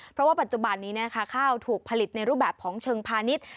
เพราะว่าปัจจุบันนี้ข้าวถูกผลิตในรูปแบบของเชิงพาณิชย์